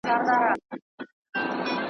بس را یاده مي غزل سي د ملنګ عبدالرحمن .